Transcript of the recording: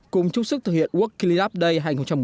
cùng chúc sức thực hiện work kill it up day hai nghìn một mươi tám